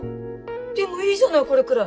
でもいいじゃないこれぐらい。